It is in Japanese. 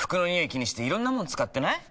気にしていろんなもの使ってない？